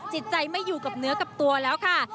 จิตใจไม่อยู่กับเนื้อกับตัวแล้วค่ะ